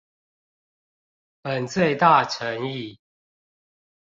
本最⼤誠意